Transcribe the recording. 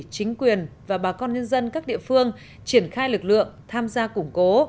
chính quyền và bà con nhân dân các địa phương triển khai lực lượng tham gia củng cố